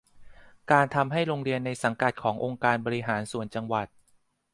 การทำให้โรงเรียนในสังกัดขององค์การบริหารส่วนจังหวัด